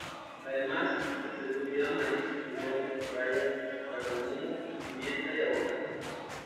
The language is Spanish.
Además, se cultiva maíz, frijol, pacaya, cardamomo, pimienta y aguacate.